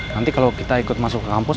nanti kalau kita ikut masuk ke kampus